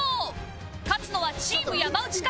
勝つのはチーム山内か？